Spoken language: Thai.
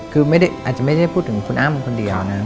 คืออาจจะไม่ได้พูดถึงคุณอ้ำคนเดียวนะครับ